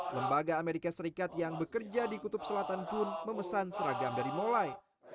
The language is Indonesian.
lembaga amerika serikat yang bekerja di kutub selatan pun memesan seragam dari mulai